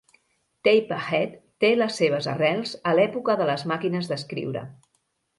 Typeahead té les seves arrels a l'època de les màquines d'escriure.